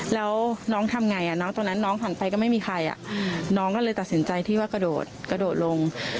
แล้วน้องทำไงน้องตรงนั้นน้องผ่านไปก็ไม่มีใครน้องก็เลยตัดสินใจที่ว่ากระโดดกระโดดลง